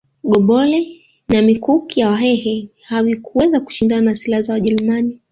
Gobore na mikuki ya wahehe havikuweza kushindana na silaha za wajerumani